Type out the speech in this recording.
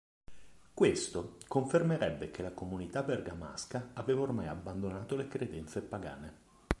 Questo confermerebbe che la comunità bergamasca aveva ormai abbandonato le credenze pagane.